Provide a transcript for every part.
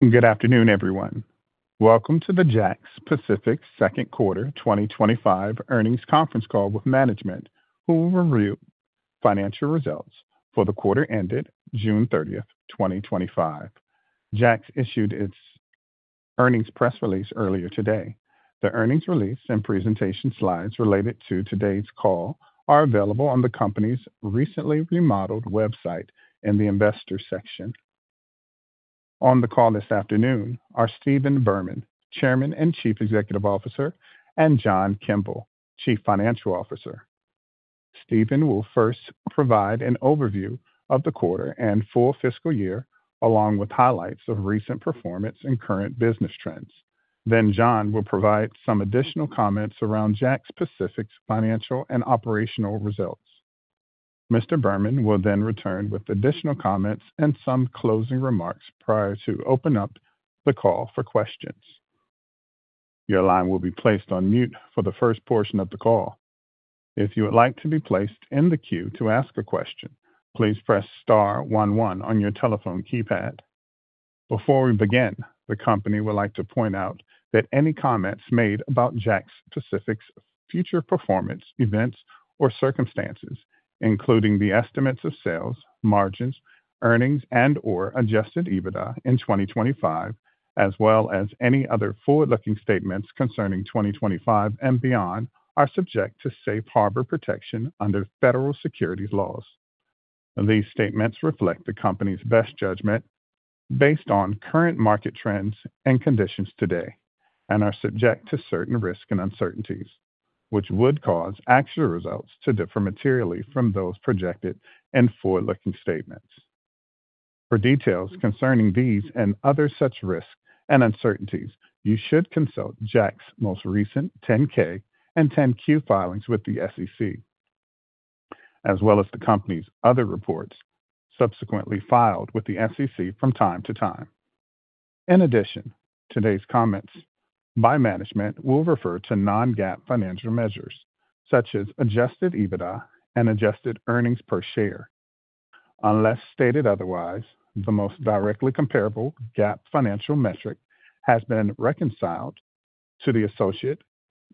Good afternoon, everyone. Welcome to the JAKKS Pacific Second Quarter 2025 Earnings Conference Call with management, who will review financial results for the quarter ended June 30, 2025. JAKKS issued its earnings press release earlier today. The earnings release and presentation slides related to today's call are available on the company's recently remodeled website in the Investors section. On the call this afternoon are Stephen Berman, Chairman and Chief Executive Officer, and John Kimble, Chief Financial Officer. Stephen will first provide an overview of the quarter and full fiscal year, along with highlights of recent performance and current business trends. John will provide some additional comments around JAKKS Pacific's financial and operational results. Mr. Berman will then return with additional comments and some closing remarks prior to opening up the call for questions. Your line will be placed on mute for the first portion of the call. If you would like to be placed in the queue to ask a question, please press star one one on your telephone keypad. Before we begin, the company would like to point out that any comments made about JAKKS Pacific's future performance, events, or circumstances, including the estimates of sales, margins, earnings, and/or adjusted EBITDA in 2025, as well as any other forward-looking statements concerning 2025 and beyond, are subject to safe harbor protection under federal securities laws. These statements reflect the company's best judgment based on current market trends and conditions today and are subject to certain risks and uncertainties, which could cause actual results to differ materially from those projected and forward-looking statements. For details concerning these and other such risks and uncertainties, you should consult JAKKS' most recent 10-K and 10-Q filings with the SEC, as well as the company's other reports subsequently filed with the SEC from time to time. In addition, today's comments by management will refer to non-GAAP financial measures, such as adjusted EBITDA and adjusted earnings per share. Unless stated otherwise, the most directly comparable GAAP financial metric has been reconciled to the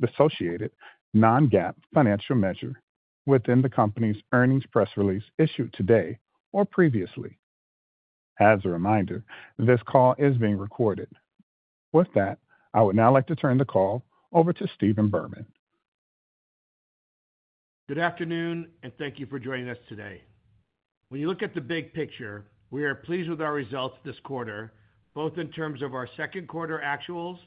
associated non-GAAP financial measure within the company's earnings press release issued today or previously. As a reminder, this call is being recorded. With that, I would now like to turn the call over to Stephen Berman. Good afternoon, and thank you for joining us today. When you look at the big picture, we are pleased with our results this quarter, both in terms of our second quarter actuals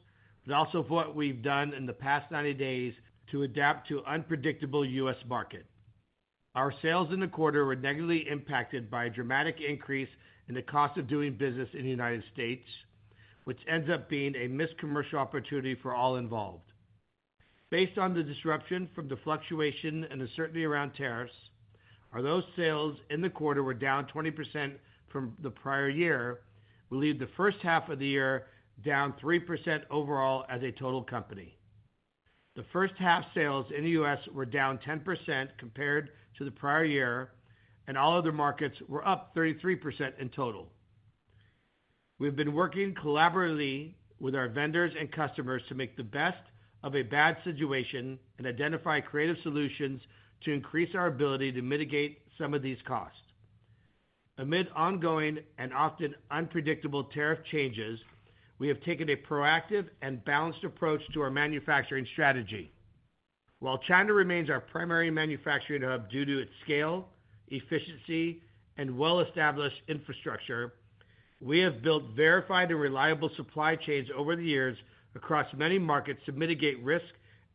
but also what we've done in the past 90 days to adapt to the unpredictable U.S. market. Our sales in the quarter were negatively impacted by a dramatic increase in the cost of doing business in the United States, which ends up being a missed commercial opportunity for all involved. Based on the disruption from the fluctuation and uncertainty around tariffs, our sales in the quarter were down 20% from the prior year. We leave the first half of the year down 3% overall as a total company. The first half sales in the U.S. were down 10% compared to the prior year, and all other markets were up 33% in total. We have been working collaboratively with our vendors and customers to make the best of a bad situation and identify creative solutions to increase our ability to mitigate some of these costs. Amid ongoing and often unpredictable tariff changes, we have taken a proactive and balanced approach to our manufacturing strategy. While China remains our primary manufacturing hub due to its scale, efficiency, and well-established infrastructure, we have built verified and reliable supply chains over the years across many markets to mitigate risk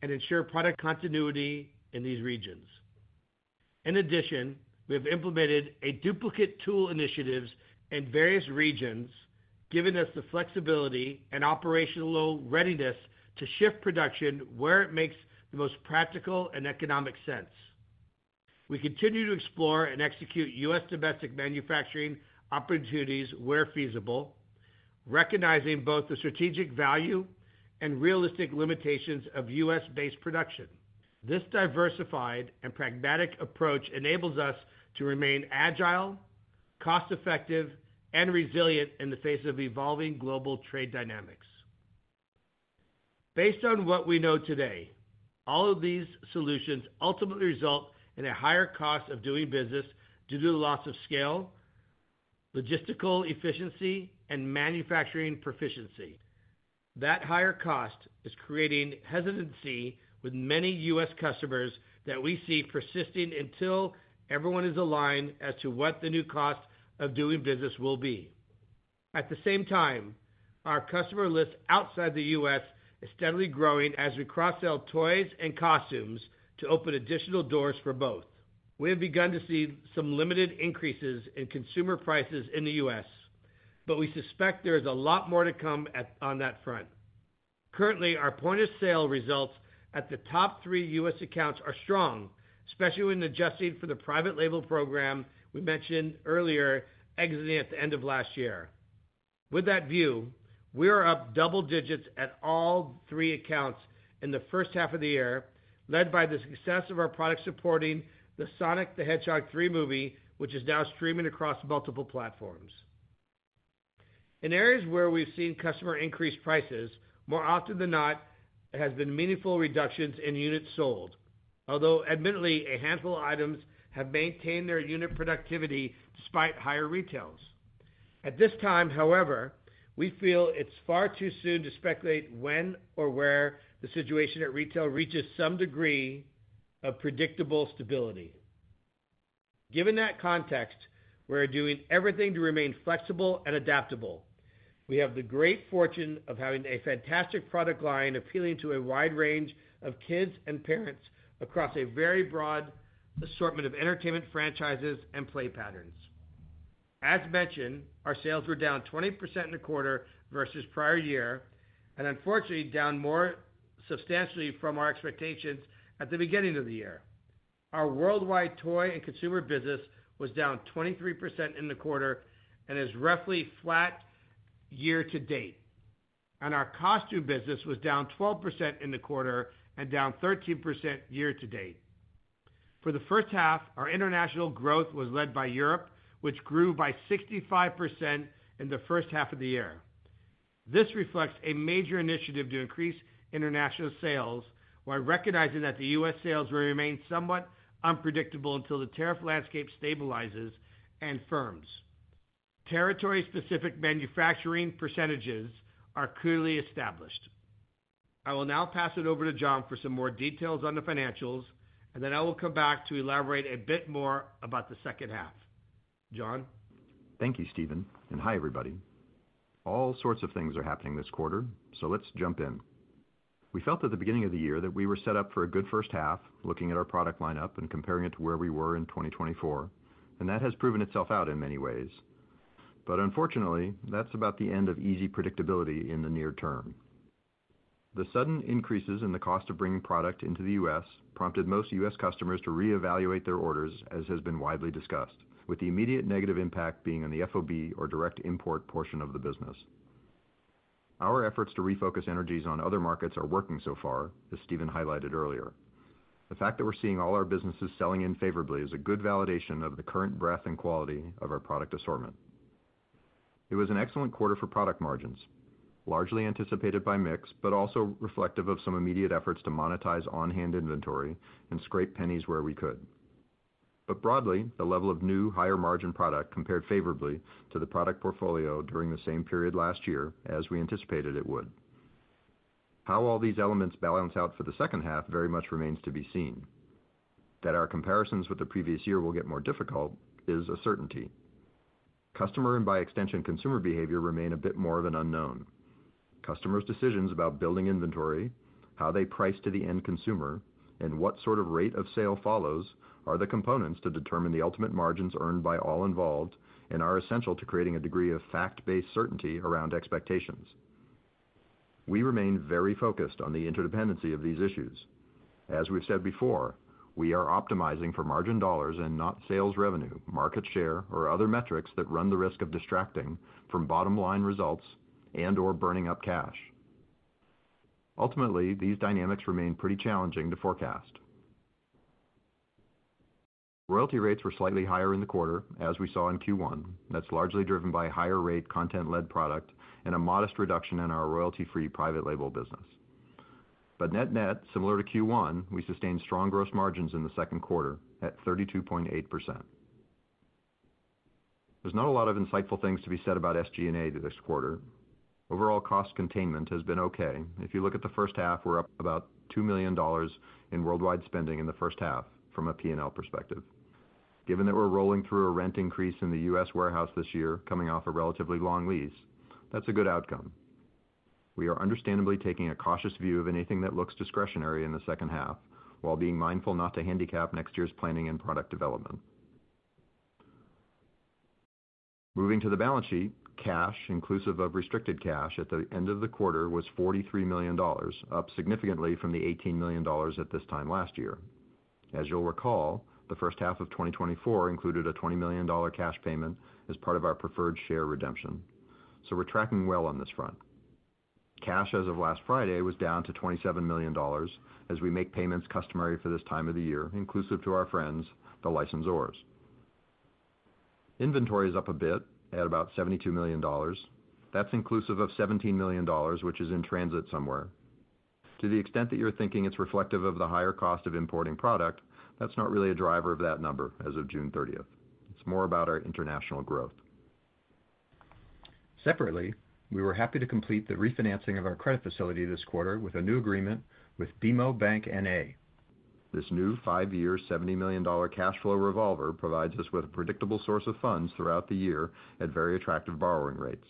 and ensure product continuity in these regions. In addition, we have implemented duplicate tool initiatives in various regions, giving us the flexibility and operational readiness to shift production where it makes the most practical and economic sense. We continue to explore and execute U.S. domestic manufacturing opportunities where feasible, recognizing both the strategic value and realistic limitations of U.S.-based production. This diversified and pragmatic approach enables us to remain agile, cost-effective, and resilient in the face of evolving global trade dynamics. Based on what we know today, all of these solutions ultimately result in a higher cost of doing business due to the loss of scale, logistical efficiency, and manufacturing proficiency. That higher cost is creating hesitancy with many U.S. customers that we see persisting until everyone is aligned as to what the new cost of doing business will be. At the same time, our customer list outside the U.S. is steadily growing as we cross-sell toys and costumes to open additional doors for both. We have begun to see some limited increases in consumer prices in the U.S., but we suspect there is a lot more to come on that front. Currently, our point-of-sale results at the top three U.S. accounts are strong, especially when adjusting for the private label program we mentioned earlier, exiting at the end of last year. With that view, we are up double digits at all three accounts in the first half of the year, led by the success of our product supporting the Sonic the Hedgehog 3 movie, which is now streaming across multiple platforms. In areas where we've seen customers increase prices, more often than not, there have been meaningful reductions in units sold, although admittedly a handful of items have maintained their unit productivity despite higher retails. At this time, however, we feel it's far too soon to speculate when or where the situation at retail reaches some degree of predictable stability. Given that context, we're doing everything to remain flexible and adaptable. We have the great fortune of having a fantastic product line appealing to a wide range of kids and parents across a very broad assortment of entertainment franchises and play patterns. As mentioned, our sales were down 20% in the quarter versus prior year and unfortunately down more substantially from our expectations at the beginning of the year. Our worldwide toy and consumer business was down 23% in the quarter and is roughly flat year to date. Our costume business was down 12% in the quarter and down 13% year-to-date. For the first half, our international growth was led by Europe, which grew by 65% in the first half of the year. This reflects a major initiative to increase international sales while recognizing that the U.S. sales will remain somewhat unpredictable until the tariff landscape stabilizes and firms. Territory-specific manufacturing percentages are clearly established. I will now pass it over to John for some more details on the financials, and then I will come back to elaborate a bit more about the second half. John? Thank you, Stephen, and hi everybody. All sorts of things are happening this quarter, so let's jump in. We felt at the beginning of the year that we were set up for a good first half, looking at our product lineup and comparing it to where we were in 2024, and that has proven itself out in many ways. Unfortunately, that's about the end of easy predictability in the near term. The sudden increases in the cost of bringing product into the U.S. prompted most U.S. customers to reevaluate their orders, as has been widely discussed, with the immediate negative impact being on the FOB or direct import portion of the business. Our efforts to refocus energies on other markets are working so far, as Stephen highlighted earlier. The fact that we're seeing all our businesses selling in favorably is a good validation of the current breadth and quality of our product assortment. It was an excellent quarter for product margins, largely anticipated by mix but also reflective of some immediate efforts to monetize on-hand inventory and scrape pennies where we could. Broadly, the level of new higher margin product compared favorably to the product portfolio during the same period last year as we anticipated it would. How all these elements balance out for the second half very much remains to be seen? That our comparisons with the previous year will get more difficult is a certainty. Customer and, by extension, consumer behavior remain a bit more of an unknown. Customers' decisions about building inventory, how they price to the end consumer, and what sort of rate of sale follows are the components to determine the ultimate margins earned by all involved and are essential to creating a degree of fact-based certainty around expectations. We remain very focused on the interdependency of these issues. As we've said before, we are optimizing for margin dollars and not sales revenue, market share, or other metrics that run the risk of distracting from bottom-line results and/or burning up cash. Ultimately, these dynamics remain pretty challenging to forecast. Royalty rates were slightly higher in the quarter, as we saw in Q1. That's largely driven by higher rate content-led product and a modest reduction in our royalty-free private label business. But net-net, similar to Q1, we sustained strong gross margins in the second quarter at 32.8%. There's not a lot of insightful things to be said about SG&A this quarter. Overall cost containment has been okay. If you look at the first half, we're up about $2 million in worldwide spending in the first half from a P&L perspective. Given that we're rolling through a rent increase in the U.S. warehouse this year, coming off a relatively long lease, that's a good outcome. We are understandably taking a cautious view of anything that looks discretionary in the second half while being mindful not to handicap next year's planning and product development. Moving to the balance sheet. Cash, inclusive of restricted cash, at the end of the quarter was $43 million, up significantly from the $18 million at this time last year. As you'll recall, the first half of 2024 included a $20 million cash payment as part of our preferred share redemption. We're tracking well on this front. Cash, as of last Friday, was down to $27 million, as we make payments customary for this time of the year, inclusive to our friends, the licensors. Inventory is up a bit at about $72 million. That's inclusive of $17 million, which is in transit somewhere. To the extent that you're thinking it's reflective of the higher cost of importing product, that's not really a driver of that number as of June 30. It's more about our international growth. Separately, we were happy to complete the refinancing of our credit facility this quarter with a new agreement with BMO Bank N.A. This new five-year, $70 million cash flow revolver provides us with a predictable source of funds throughout the year at very attractive borrowing rates.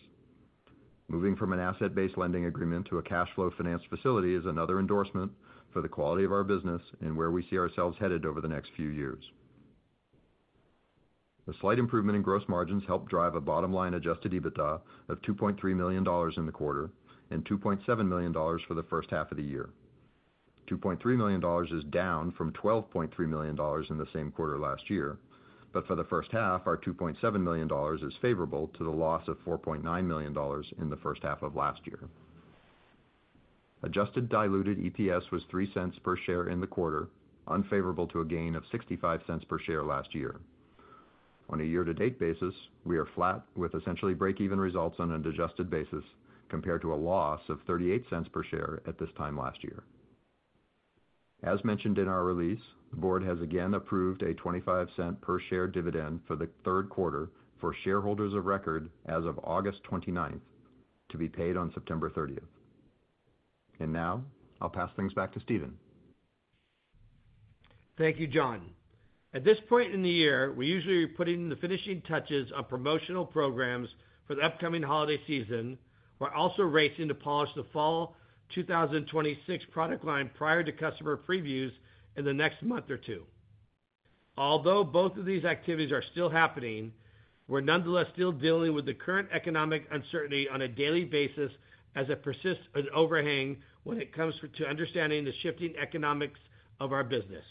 Moving from an asset-based lending agreement to a cash flow financed facility is another endorsement for the quality of our business and where we see ourselves headed over the next few years. A slight improvement in gross margins helped drive a bottom line adjusted EBITDA of $2.3 million in the quarter and $2.7 million for the first half of the year. $2.3 million is down from $12.3 million in the same quarter last year, but for the first half, our $2.7 million is favorable to the loss of $4.9 million in the first half of last year. Adjusted diluted EPS was $0.03 per share in the quarter, unfavorable to a gain of $0.65 per share last year. On a year-to-date basis, we are flat, with essentially breakeven results on an adjusted basis compared to a loss of $0.38 per share at this time last year. As mentioned in our release, the Board has again approved a $0.25 per share dividend for the third quarter for shareholders of record as of August 29 to be paid on September 30. I'll pass things back to Stephen. Thank you, John. At this point in the year, we usually are putting the finishing touches on promotional programs for the upcoming holiday season, while also racing to polish the fall 2026 product line prior to customer previews in the next month or two. Although both of these activities are still happening, we're nonetheless still dealing with the current economic uncertainty on a daily basis as it persists as overhang when it comes to understanding the shifting economics of our business.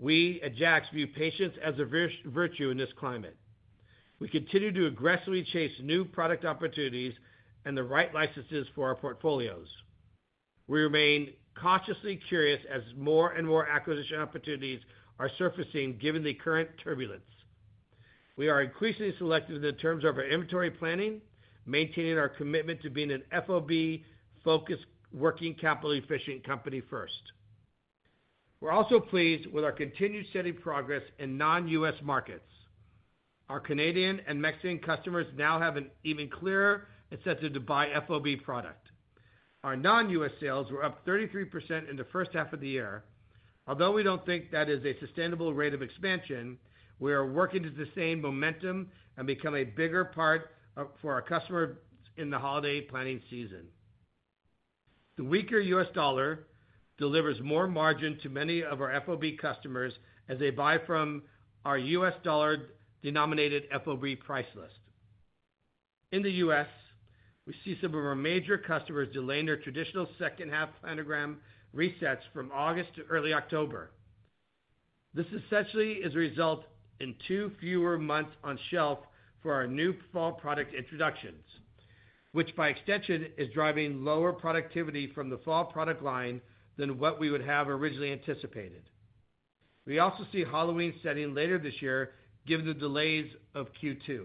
We at JAKKS view patience as a virtue in this climate. We continue to aggressively chase new product opportunities and the right licenses for our portfolios. We remain cautiously curious as more and more acquisition opportunities are surfacing given the current turbulence. We are increasingly selective in the terms of our inventory planning, maintaining our commitment to being an FOB focused, working capital-efficient company first. We're also pleased with our continued steady progress in non-U.S. markets. Our Canadian and Mexican customers now have an even clearer incentive to buy FOB product. Our non-U.S. sales were up 33% in the first half of the year. Although we don't think that is a sustainable rate of expansion, we are working to sustain momentum and become a bigger part for our customers in the holiday planning season. The weaker U.S. dollar delivers more margin to many of our FOB customers as they buy from our U.S. dollar-denominated FOB price list. In the U.S., we see some of our major customers delaying their traditional second half planogram resets from August to early October. This essentially is a result in two fewer months on shelf for our new fall product introductions, which by extension is driving lower productivity from the fall product line than what we would have originally anticipated. We also see Halloween setting later this year given the delays of Q2.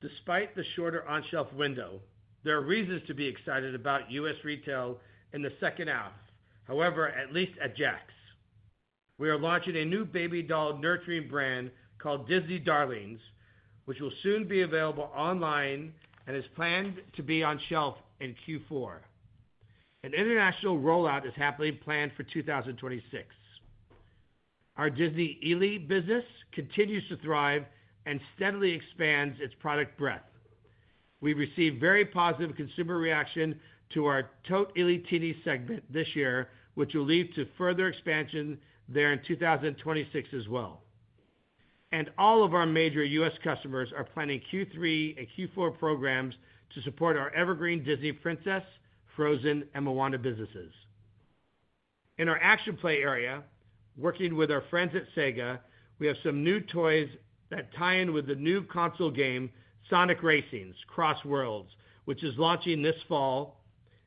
Despite the shorter on-shelf window, there are reasons to be excited about U.S. retail in the second half. However, at least at JAKKS, we are launching a new baby doll nurturing brand called Disney Darlings, which will soon be available online and is planned to be on shelf in Q4. An international rollout is happily planned for 2026. Our Disney ily business continues to thrive and steadily expands its product breadth. We received very positive consumer reaction to our Tote-ily Teenies segment this year, which will lead to further expansion there in 2026 as well. All of our major U.S. Customers are planning Q3 and Q4 programs to support our evergreen Disney Princess, Frozen, and Moana businesses. In our action play area, working with our friends at Sega, we have some new toys that tie in with the new console game Sonic Racings: Cross Worlds, which is launching this fall.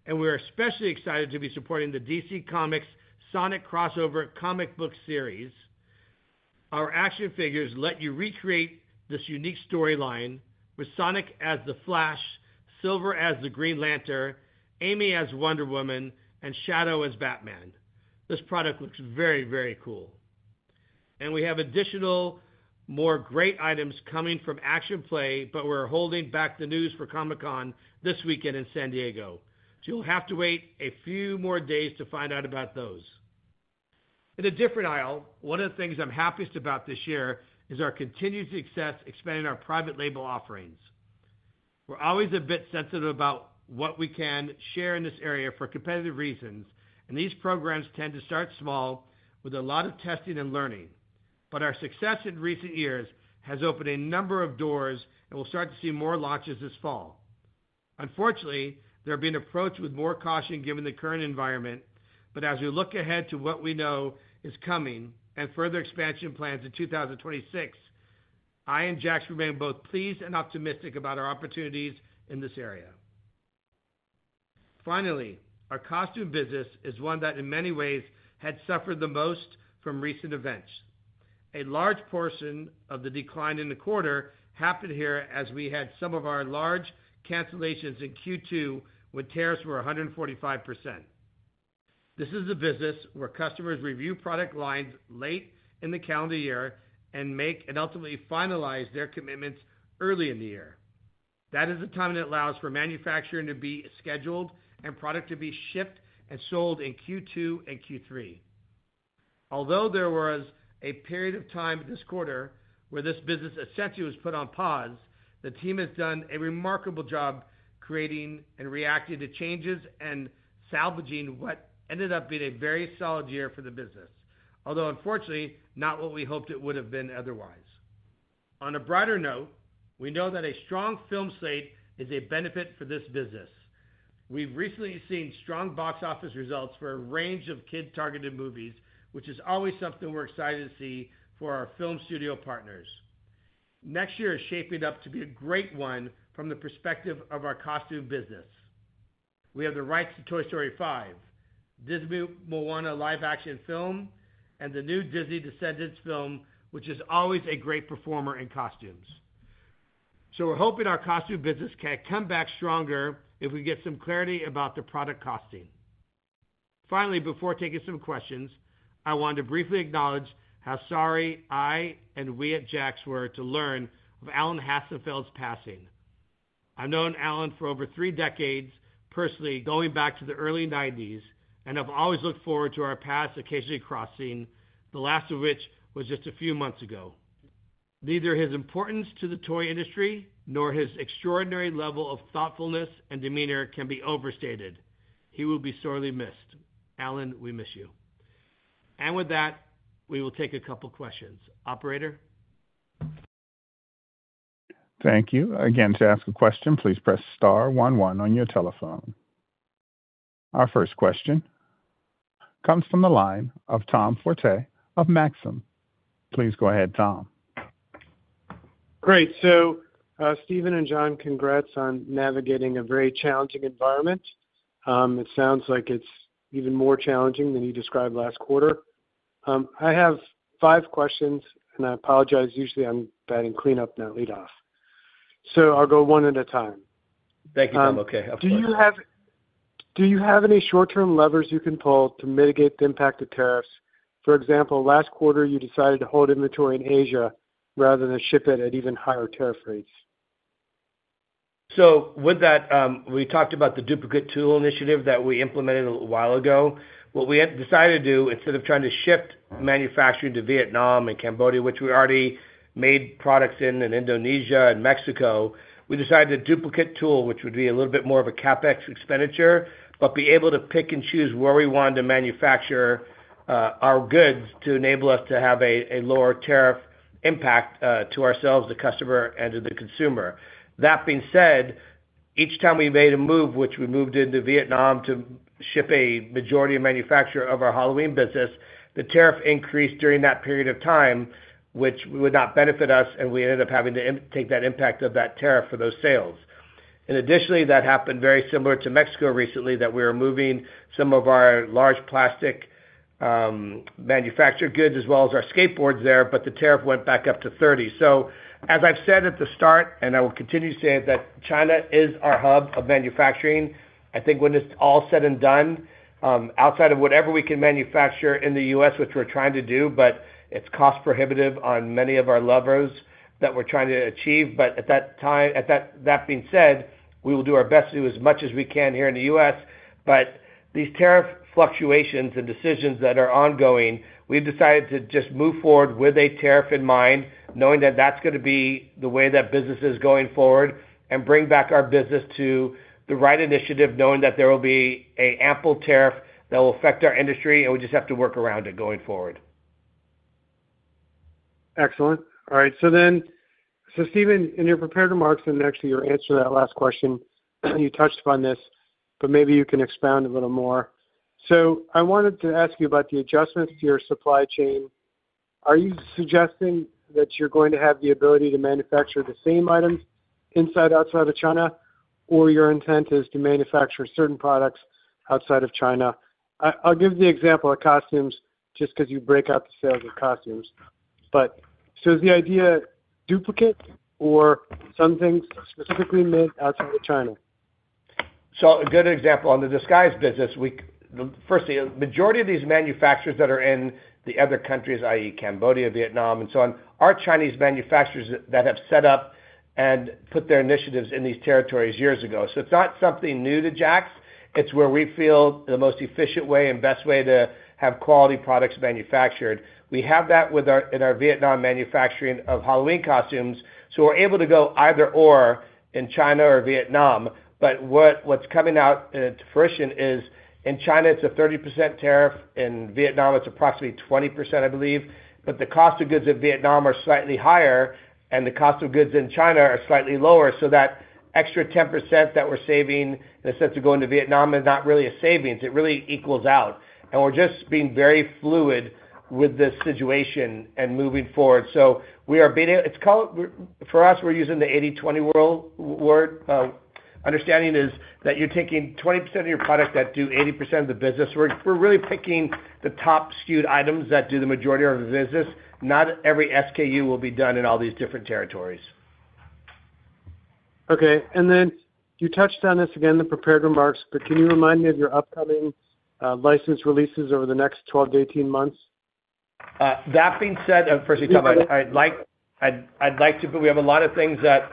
We are especially excited to be supporting the DC Comics Sonic Crossover comic book series. Our action figures let you recreate this unique storyline with Sonic as the Flash, Silver as the Green Lantern, Amy as Wonder Woman, and Shadow as Batman. This product looks very, very cool. We have additional more great items coming from Action Play, but we're holding back the news for Comic-Con this weekend in San Diego. You'll have to wait a few more days to find out about those. In a different aisle, one of the things I'm happiest about this year is our continued success expanding our private label offerings. We're always a bit sensitive about what we can share in this area for competitive reasons, and these programs tend to start small with a lot of testing and learning. Our success in recent years has opened a number of doors and we'll start to see more launches this fall. Unfortunately, they're being approached with more caution given the current environment. As we look ahead to what we know is coming and further expansion plans in 2026, I and JAKKS remain both pleased and optimistic about our opportunities in this area. Finally, our costume business is one that in many ways had suffered the most from recent events. A large portion of the decline in the quarter happened here as we had some of our large cancellations in Q2 when tariffs were 145%. This is a business where customers review product lines late in the calendar year and ultimately finalize their commitments early in the year. That is the time that allows for manufacturing to be scheduled and product to be shipped and sold in Q2 and Q3. Although there was a period of time this quarter where this business essentially was put on pause, the team has done a remarkable job creating and reacting to changes and salvaging what ended up being a very solid year for the business, although unfortunately not what we hoped it would have been otherwise. On a brighter note, we know that a strong film slate is a benefit for this business. We've recently seen strong box office results for a range of kid-targeted movies, which is always something we're excited to see for our film studio partners. Next year is shaping up to be a great one from the perspective of our Costume business. We have the rights to Toy Story 5, Disney Moana: Live-Action film, and the new Disney Descendants film, which is always a great performer in costumes. We are hoping our costume business can come back stronger if we get some clarity about the product costing. Finally, before taking some questions, I want to briefly acknowledge how sorry I and we at JAKKS were to learn of Alan Hassenfeld's passing. I've known Alan for over three decades, personally going back to the early 1990s, and have always looked forward to our paths occasionally crossing, the last of which was just a few months ago. Neither his importance to the toy industry nor his extraordinary level of thoughtfulness and demeanor can be overstated. He will be sorely missed. Alan, we miss you. With that, we will take a couple of questions. Operator? Thank you. Again, to ask a question, please press star one one on your telephone. Our first question comes from the line of Tom Forte of Maxim. Please go ahead, Tom. Great. Stephen and John, congrats on navigating a very challenging environment. It sounds like it's even more challenging than you described last quarter. I have five questions, and I apologize. Usually, I'm batting cleanup, not lead-off. I'll go one at a time. Thank you, Tom. Okay. Do you have any short-term levers you can pull to mitigate the impact of tariffs? For example, last quarter you decided to hold inventory in Asia rather than ship it at even higher tariff rates. With that, we talked about the duplicate tool initiative that we implemented a while ago. What we decided to do, instead of trying to shift manufacturing to Vietnam and Cambodia, which we already made products in, and Indonesia and Mexico, we decided to duplicate tool, which would be a little bit more of a CapEx expenditure, but be able to pick and choose where we want to manufacture our goods to enable us to have a lower tariff impact to ourselves, the customer, and to the consumer. That being said, each time we made a move, which we moved into Vietnam to ship a majority of manufacture of our Halloween business, the tariff increased during that period of time, which would not benefit us, and we ended up having to take that impact of that tariff for those sales. Additionally, that happened very similar to Mexico recently that we were moving some of our large plastic manufactured goods as well as our skateboards there, but the tariff went back up to 30%. As I've said at the start, and I will continue to say, China is our hub of manufacturing. I think when it's all said and done, outside of whatever we can manufacture in the U.S., which we're trying to do, but it's cost prohibitive on many of our levers that we're trying to achieve. At that being said, we will do our best to do as much as we can here in the U.S. These tariff fluctuations and decisions that are ongoing, we've decided to just move forward with a tariff in mind, knowing that that's going to be the way that business is going forward and bring back our business to the right initiative, knowing that there will be an ample tariff that will affect our industry, and we just have to work around it going forward. Excellent. All right. Stephen, in your prepared remarks and actually your answer to that last question, you touched upon this, but maybe you can expound a little more. I wanted to ask you about the adjustments to your supply chain. Are you suggesting that you're going to have the ability to manufacture the same items inside and outside of China, or your intent is to manufacture certain products outside of China? I'll give the example of costumes just because you break out the sales of costumes. Is the idea duplicate tooling or some things specifically made outside of China? A good example on the Disguise business, firstly, the majority of these manufacturers that are in the other countries, i.e. Cambodia, Vietnam, and so on, are Chinese manufacturers that have set up and put their initiatives in these territories years ago. It's not something new to JAKKS. It's where we feel the most efficient way and best way to have quality products manufactured. We have that with our Vietnam manufacturing of Halloween costumes. We're able to go either/or in China or Vietnam. What's coming out to fruition is in China, it's a 30% tariff. In Vietnam, it's approximately 20%, I believe. The cost of goods in Vietnam are slightly higher, and the cost of goods in China are slightly lower. That extra 10% that we're saving in the sense of going to Vietnam is not really a savings. It really equals out. We're just being very fluid with this situation and moving forward. We are being, it's called, for us, we're using the 80/20 rule. Understanding is that you're taking 20% of your product that do 80% of the business. We're really picking the top skewed items that do the majority of the business. Not every SKU will be done in all these different territories. Okay. You touched on this again in the prepared remarks, but can you remind me of your upcoming license releases over the next 12 to 18 months? That being said, we have a lot of things that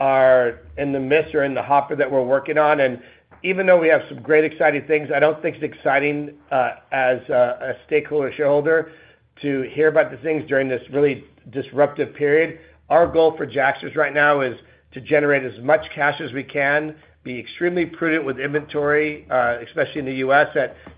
are in the mist or in the hopper that we're working on. Even though we have some great exciting things, I don't think it's exciting as a stakeholder or shareholder to hear about the things during this really disruptive period. Our goal for JAKKS right now is to generate as much cash as we can, be extremely prudent with inventory, especially in the U.S.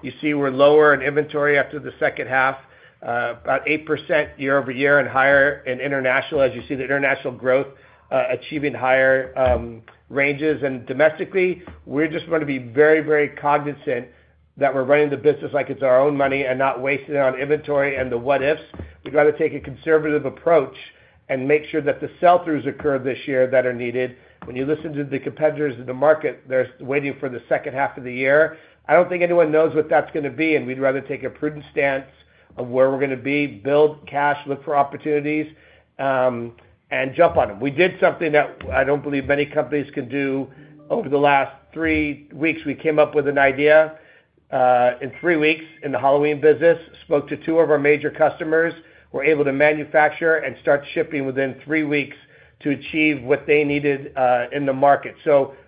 You see we're lower in inventory after the second half, about 8% year-over-year, and higher in international, as you see the international growth achieving higher ranges. Domestically, we just want to be very, very cognizant that we're running the business like it's our own money and not wasting it on inventory and the what ifs. We'd rather take a conservative approach and make sure that the sell-throughs occur this year that are needed. When you listen to the competitors in the market, they're waiting for the second half of the year. I don't think anyone knows what that's going to be, and we'd rather take a prudent stance on where we're going to be, build cash, look for opportunities, and jump on them. We did something that I don't believe many companies can do. Over the last three weeks, we came up with an idea in three weeks in the Halloween business, spoke to two of our major customers, were able to manufacture and start shipping within three weeks to achieve what they needed in the market.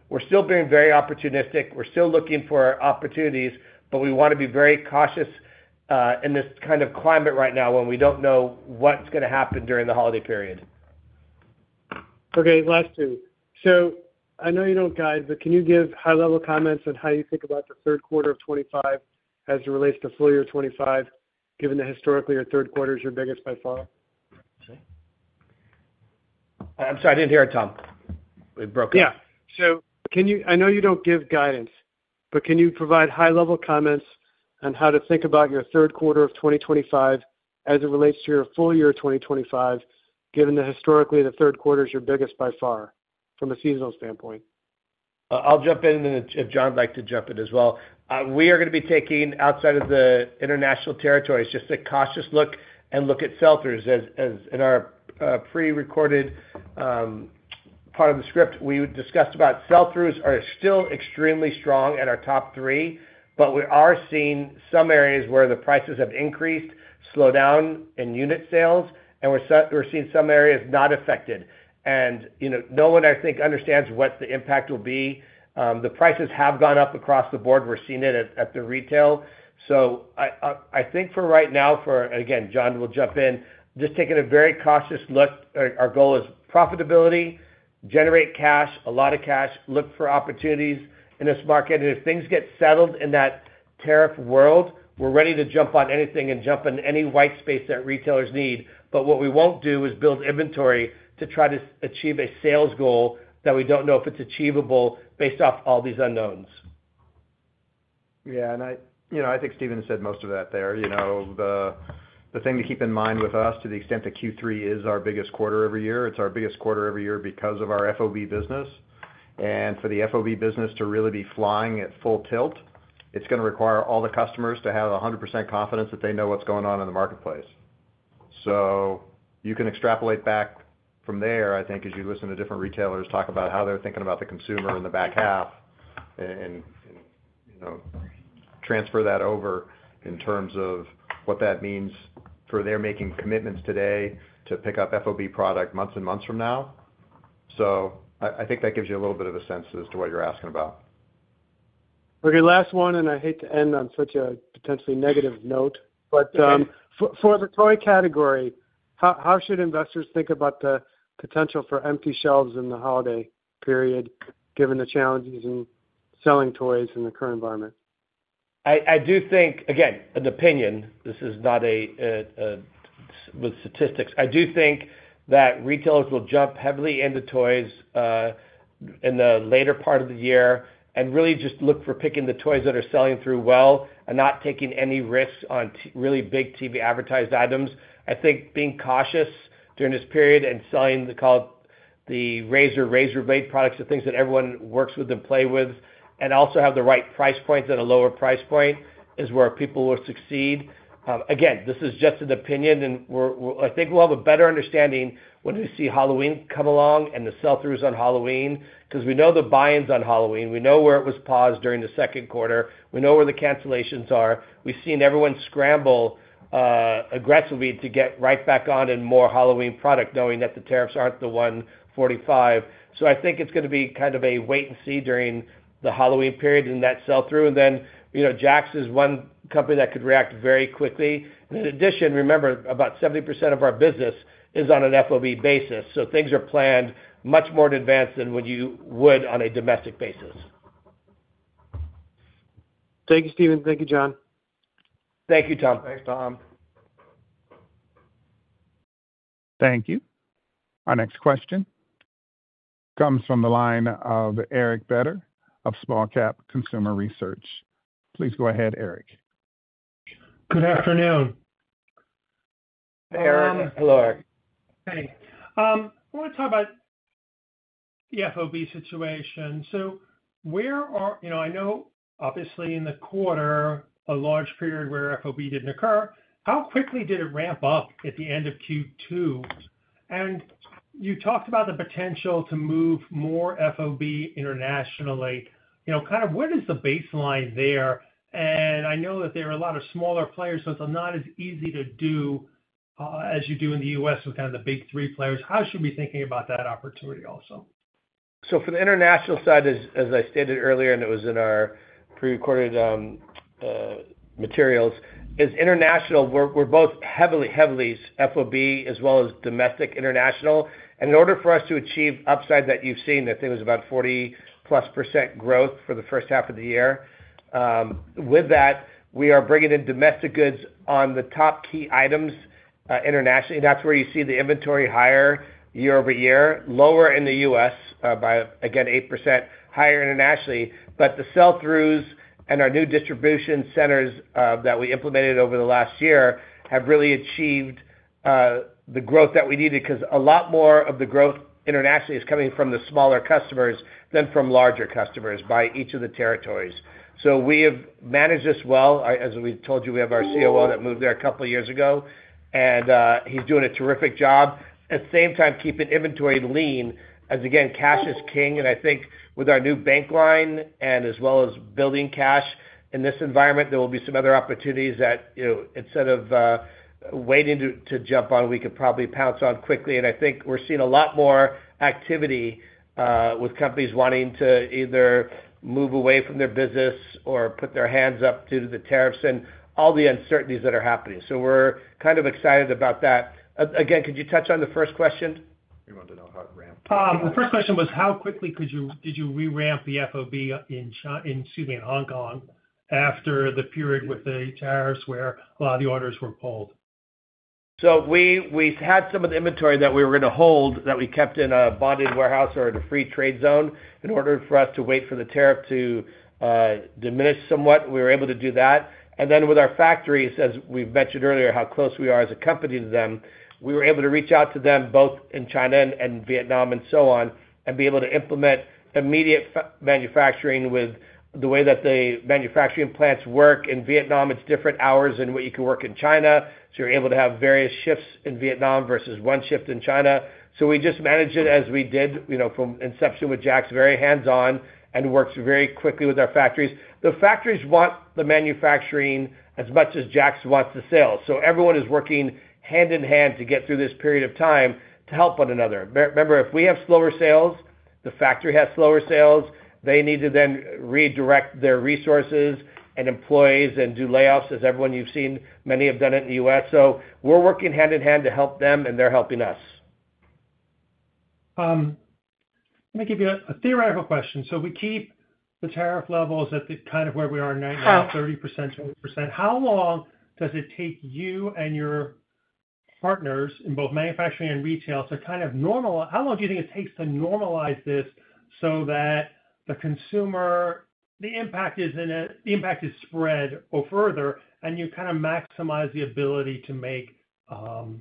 We're still being very opportunistic. We're still looking for opportunities, but we want to be very cautious in this kind of climate right now when we don't know what's going to happen during the holiday period. Okay, last two. I know you don't guide, but can you give high-level comments on how you think about the third quarter of 2025 as it relates to full year 2025, given that historically your third quarter is your biggest by far? I'm sorry, I didn't hear it, Tom. We broke up. Can you, I know you don't give guidance, provide high-level comments on how to think about your third quarter of 2025 as it relates to your full year of 2025, given that historically the third quarter is your biggest by far from a seasonal standpoint? I'll jump in, and then if John would like to jump in as well. We are going to be taking, outside of the international territories, just a cautious look and look at sell-throughs. As in our pre-recorded part of the script, we discussed about sell-throughs are still extremely strong in our top three, but we are seeing some areas where the prices have increased, slowed down in unit sales, and we're seeing some areas not affected. No one I think understands what the impact will be. The prices have gone up across the board. We're seeing it at the retail. I think for right now, for again, John will jump in, just taking a very cautious look. Our goal is profitability, generate cash, a lot of cash, look for opportunities in this market. If things get settled in that tariff world, we're ready to jump on anything and jump in any white space that retailers need. What we won't do is build inventory to try to achieve a sales goal that we don't know if it's achievable based off all these unknowns. Yeah, I think Stephen has said most of that there. The thing to keep in mind with us, to the extent that Q3 is our biggest quarter every year, it's our biggest quarter every year because of our FOB business. For the FOB business to really be flying at full tilt, it's going to require all the customers to have 100% confidence that they know what's going on in the marketplace. You can extrapolate back from there, I think, as you listen to different retailers talk about how they're thinking about the consumer in the back half and transfer that over in terms of what that means for their making commitments today to pick up FOB product months and months from now. I think that gives you a little bit of a sense as to what you're asking about. Okay, last one, and I hate to end on such a potentially negative note, but for the toy category, how should investors think about the potential for empty shelves in the holiday period, given the challenges in selling toys in the current environment? I do think, again, an opinion, this is not a statistic, I do think that retailers will jump heavily into toys in the later part of the year and really just look for picking the toys that are selling through well and not taking any risks on really big TV advertised items. I think being cautious during this period and selling the Razer, Razer Blade products are things that everyone works with and plays with and also have the right price points at a lower price point is where people will succeed. Again, this is just an opinion and I think we'll have a better understanding when we see Halloween come along and the sell-throughs on Halloween because we know the buy-ins on Halloween. We know where it was paused during the second quarter. We know where the cancellations are. We've seen everyone scramble aggressively to get right back on in more Halloween product, knowing that the tariffs aren't the 145%. I think it's going to be kind of a wait and see during the Halloween period in that sell-through. You know, JAKKS is one company that could react very quickly. In addition, remember, about 70% of our business is on an FOB basis. Things are planned much more in advance than when you would on a domestic basis. Thank you, Stephen. Thank you, John. Thank you, Tom. Thanks, Tom. Thank you. Our next question comes from the line of Eric Beder of Small Cap Consumer Research. Please go ahead, Eric. Good afternoon. Hello, Eric. Thanks. I want to talk about the FOB situation. Where are, you know, I know obviously in the quarter, a large period where FOB didn't occur. How quickly did it ramp up at the end of Q2? You talked about the potential to move more FOB internationally. You know, kind of what is the baseline there? I know that there are a lot of smaller players, so it's not as easy to do as you do in the U.S. with kind of the big three players. How should we be thinking about that opportunity also? For the international side, as I stated earlier, and it was in our pre-recorded materials, as international, we're both heavily, heavily FOB as well as domestic international. In order for us to achieve upside that you've seen, I think it was about 40+% growth for the first half of the year. With that, we are bringing in domestic goods on the top key items internationally. That's where you see the inventory higher year-over year, lower in the U.S. by, again, 8%, higher internationally. The sell-throughs and our new distribution centers that we implemented over the last year have really achieved the growth that we needed because a lot more of the growth internationally is coming from the smaller customers than from larger customers by each of the territories. We have managed this well. As we told you, we have our COO that moved there a couple of years ago, and he's doing a terrific job at the same time keeping inventory lean as, again, cash is king. I think with our new bank line and as well as building cash in this environment, there will be some other opportunities that, you know, instead of waiting to jump on, we could probably pounce on quickly. I think we're seeing a lot more activity with companies wanting to either move away from their business or put their hands up due to the tariffs and all the uncertainties that are happening. We're kind of excited about that. Again, could you touch on the first question? You want to know how it ramped? The first question was how quickly could you, did you re-ramp the FOB in Hong Kong after the period with the tariffs where a lot of the orders were pulled? We had some of the inventory that we were going to hold that we kept in a bonded warehouse or at a free trade zone in order for us to wait for the tariff to diminish somewhat. We were able to do that. With our factories, as we mentioned earlier, how close we are as a company to them, we were able to reach out to them both in China and Vietnam and be able to implement immediate manufacturing with the way that the manufacturing plants work in Vietnam. It's different hours than what you can work in China. You're able to have various shifts in Vietnam versus one shift in China. We just managed it as we did from inception with JAKKS very hands-on and worked very quickly with our factories. The factories want the manufacturing as much as JAKKS wants the sales. Everyone is working hand in hand to get through this period of time to help one another. Remember, if we have slower sales, the factory has slower sales. They need to then redirect their resources and employees and do layoffs as everyone you've seen, many have done it in the U.S. We're working hand in hand to help them and they're helping us. Let me give you a theoretical question. If we keep the tariff levels at kind of where we are right now, 30%, 20%, how long does it take you and your partners in both manufacturing and retail to normalize? How long do you think it takes to normalize this so that the consumer, the impact is in it, the impact is spread out further and you kind of maximize the ability to make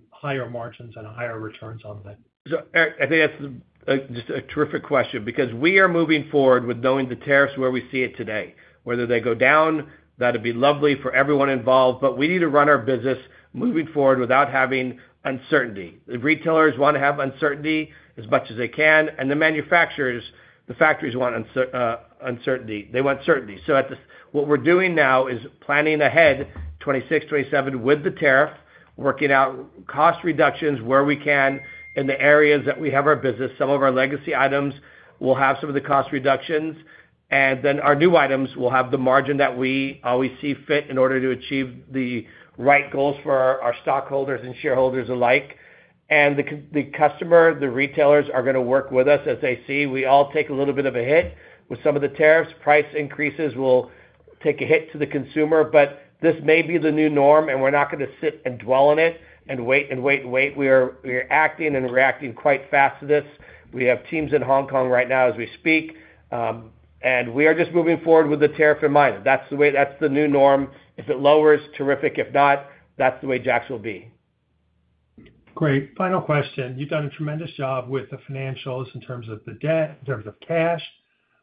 higher margins and higher returns on that? I think that's just a terrific question because we are moving forward with knowing the tariffs where we see it today. Whether they go down, that would be lovely for everyone involved, but we need to run our business moving forward without having uncertainty. The retailers want to have certainty as much as they can, and the manufacturers, the factories want certainty. What we're doing now is planning ahead 2026, 2027 with the tariff, working out cost reductions where we can in the areas that we have our business. Some of our legacy items will have some of the cost reductions, and then our new items will have the margin that we always see fit in order to achieve the right goals for our stockholders and shareholders alike. The customer, the retailers are going to work with us as they see. We all take a little bit of a hit with some of the tariffs. Price increases will take a hit to the consumer, but this may be the new norm, and we're not going to sit and dwell on it and wait and wait and wait. We are acting and reacting quite fast to this. We have teams in Hong Kong right now as we speak, and we are just moving forward with the tariff in mind. That's the way, that's the new norm. If it lowers, terrific. If not, that's the way JAKKS will be. Great. Final question. You've done a tremendous job with the financials in terms of the debt, in terms of cash.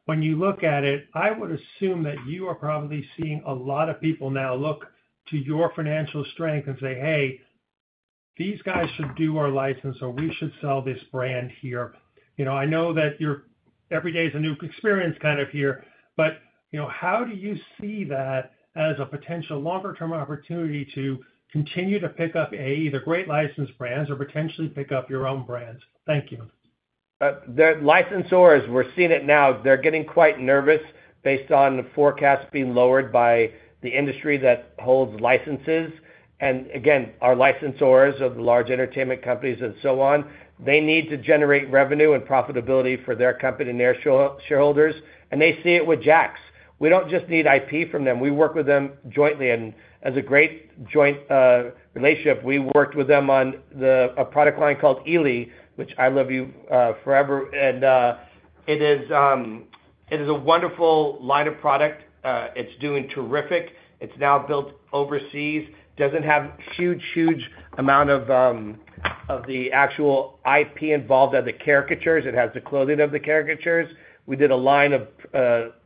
When you look at it, I would assume that you are probably seeing a lot of people now look to your financial strength and say, "Hey, these guys should do our license or we should sell this brand here." I know that every day is a new experience kind of here, but how do you see that as a potential longer-term opportunity to continue to pick up either great licensed brands or potentially pick up your own brands? Thank you. The licensors, we're seeing it now, they're getting quite nervous based on forecasts being lowered by the industry that holds licenses. Our licensors are the large entertainment companies and so on, they need to generate revenue and profitability for their company and their shareholders, and they see it with JAKKS. We don't just need IP from them. We work with them jointly, and as a great joint relationship, we worked with them on a product line called ily, which I love you 4EVER. It is a wonderful line of product. It's doing terrific. It's now built overseas. It doesn't have a huge, huge amount of the actual IP involved in the caricatures. It has the clothing of the caricatures. We did a line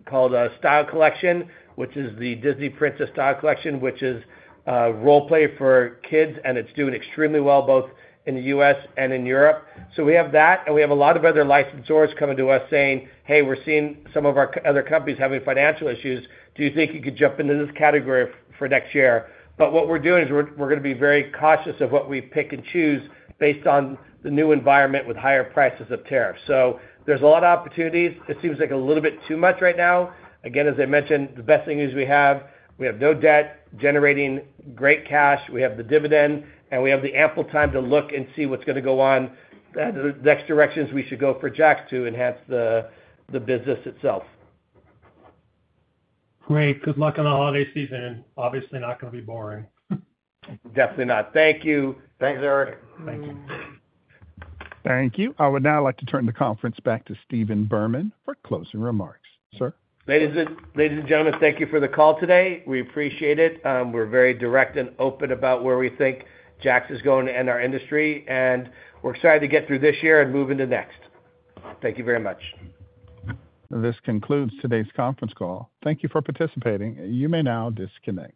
called a Style Collection, which is the Disney Princess Style Collection, which is a role play for kids, and it's doing extremely well both in the U.S. and in Europe. We have that, and we have a lot of other licensors coming to us saying, "Hey, we're seeing some of our other companies having financial issues. Do you think you could jump into this category for next year?" What we're doing is we're going to be very cautious of what we pick and choose based on the new environment with higher prices of tariffs. There's a lot of opportunities. It seems like a little bit too much right now. The best thing is we have, we have no debt generating great cash. We have the dividend, and we have the ample time to look and see what's going to go on, the next directions we should go for JAKKS to enhance the business itself. Great. Good luck in the holiday season. Obviously, not going to be boring. Definitely not. Thank you. Thanks, Eric. Thank you. Thank you. I would now like to turn the conference back to Stephen Berman for closing remarks, sir. Ladies and gentlemen, thank you for the call today. We appreciate it. We're very direct and open about where we think JAKKS is going to in our industry, and we're excited to get through this year and move into next. Thank you very much. This concludes today's conference call. Thank you for participating. You may now disconnect.